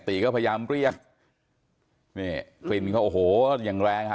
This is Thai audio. ก็พยายามเรียกนี่กลิ่นเขาโอ้โหอย่างแรงฮะ